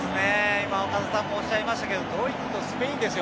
今、岡田さんもおっしゃいましたけどドイツとスペインですよ。